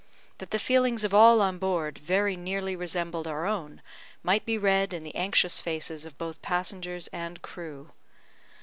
That the feelings of all on board very nearly resembled our own might be read in the anxious faces of both passengers and crew.